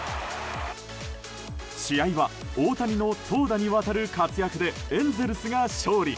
試合は、大谷の投打にわたる活躍でエンゼルスが勝利。